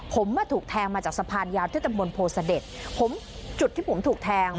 ผมมาถูกแทงมาจากสะพานยาวที่ตำบลโพเสด็จผมจุดที่ผมถูกแทง